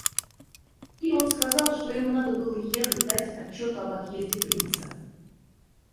И он сказал, что ему надо было ехать дать отчет об отъезде принца.